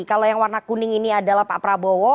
kalau yang warna kuning ini adalah pak prabowo